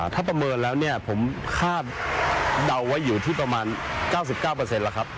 ถ้าประเมินแล้วเนี่ยผมคาดเดาไว้อยู่ที่ประมาณ๙๙แล้วครับ